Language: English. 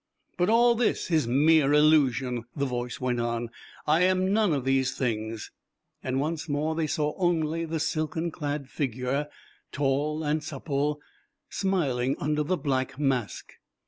"But all this is mere illusion," the voice went on; "I am none of these things." Once more they saw only the silken clad figure, tall and supple, smiling under the black mask.